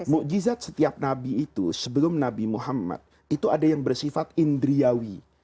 mukjizat setiap nabi itu sebelum nabi muhammad itu ada yang bersifat indriyawi